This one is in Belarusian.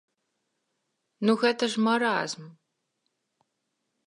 Ну гэта ж маразм!